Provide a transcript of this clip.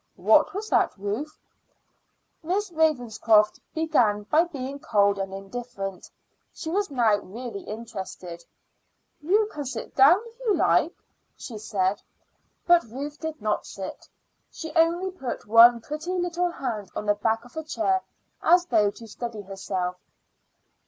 "What was that, Ruth?" Miss Ravenscroft began by being cold and indifferent; she was now really interested. "You can sit down if you like," she said. But Ruth did not sit; she only put one pretty little hand on the back of a chair as though to steady herself.